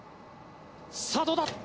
さあどうだ？